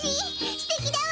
すてきだわ。